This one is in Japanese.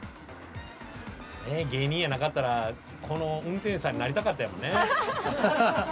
芸人やなかったらこの運転士さんになりたかったんやもんね。